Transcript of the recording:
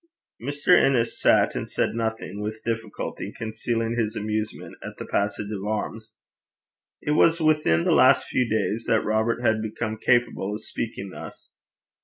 Mr. Innes sat and said nothing, with difficulty concealing his amusement at this passage of arms. It was but within the last few days that Robert had become capable of speaking thus.